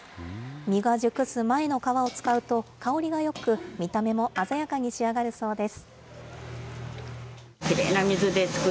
実が熟す前の皮を使うと、香りがよく、見た目も鮮やかに仕上がるそうです。